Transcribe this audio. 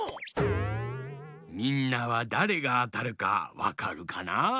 みんなはだれがあたるかわかるかな？